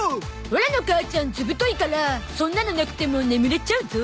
オラの母ちゃん図太いからそんなのなくても眠れちゃうゾ